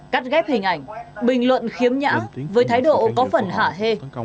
cắt ghép hình ảnh bình luận khiếm nhã với thái độ có phần hạ hê